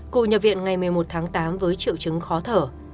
cụ nhập viện ngày một mươi một tháng tám với triệu chứng khó thở